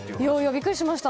ビックリしました。